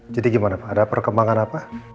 jadi gimana pak ada perkembangan apa